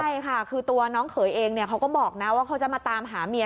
ใช่ค่ะคือตัวน้องเขยเองเขาก็บอกนะว่าเขาจะมาตามหาเมีย